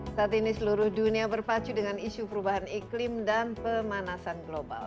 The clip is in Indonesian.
saat ini seluruh dunia berpacu dengan isu perubahan iklim dan pemanasan global